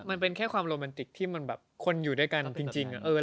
มันเป็นแค่ความโรแมนติกที่มันแบบคนอยู่ด้วยกันจริง